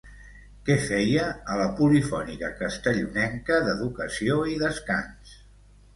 Què feia a la Polifònica Castellonenca d'Educació i Descans?